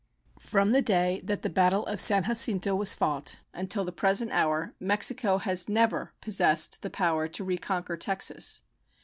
From the day that the battle of San Jacinto was fought until the present hour Mexico has never possessed the power to reconquer Texas.